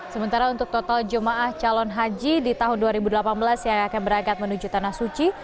sementara untuk total jemaah calon haji di tahun dua ribu delapan belas yang akan berangkat menuju tanah suci